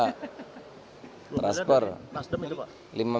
nah transfer lima miliar